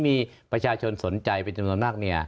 มีประชาชนสนใจเป็นจำนวนมาก